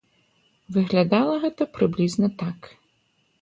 Выглядала гэта прыблізна так.